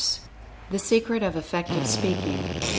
THE SECRET OF EFFECTIVE SPEAKING.